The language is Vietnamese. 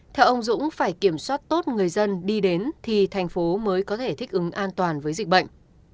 theo ông dũng phải kiểm soát tốt người dân đi đến thì thành phố mới có thể thích ứng an toàn với dịch bệnh